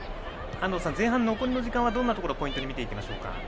安藤さん、前半残りの時間はどんなところをポイントに見ていきましょうか。